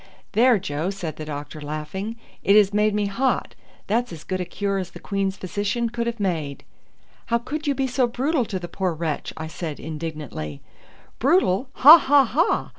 "There, Joe," said the doctor, laughing; "it has made me hot. That's as good a cure as the Queen's physician could have made." "How could you be so brutal to the poor wretch?" I said indignantly. "Brutal! Ha! ha! ha!